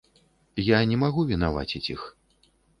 Я не магу вінаваціць іх.